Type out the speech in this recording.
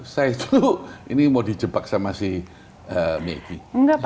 saya tuh ini mau di jebak sama si meggy